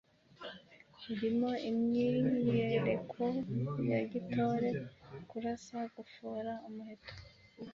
irimo imyiyereko ya gitore, kurasa, gufora umuheto,